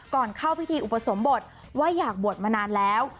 ก่อนเข้าพิธีอุปสมบทว่าอยากบวชมานานแล้ว